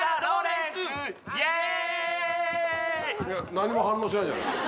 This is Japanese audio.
何も反応しないじゃないですか。